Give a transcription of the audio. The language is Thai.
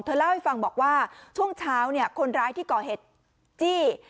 เล่าให้ฟังบอกว่าช่วงเช้าเนี่ยคนร้ายที่ก่อเหตุจี้